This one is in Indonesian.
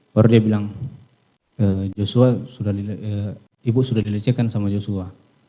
baru dia bilang ibu sudah dilecehkan sama joshua